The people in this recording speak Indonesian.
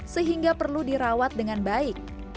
sehingga perlu dirawat dengan baik